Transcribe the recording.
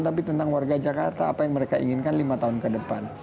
tapi tentang warga jakarta apa yang mereka inginkan lima tahun ke depan